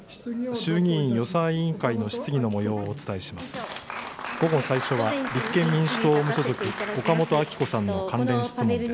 衆議院予算委員会の質疑のもようをお伝えします。